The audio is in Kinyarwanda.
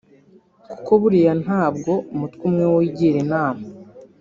kuko buriya ntabwo umutwe umwe wigira inama